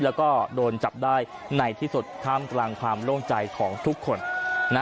แล้วก็โดนจับได้ในที่สุดท่ามกลางความโล่งใจของทุกคนนะ